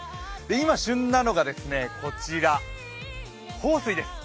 今、旬なのがこちら豊水です。